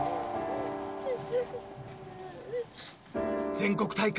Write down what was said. ［全国大会］